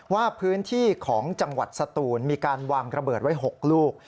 ว่าพื้นที่ของจังหวัดสตูนมีการวางระเบิดไว้๖ลูก